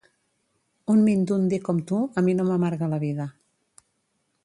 Un mindundi com tu a mi no m'amarga la vida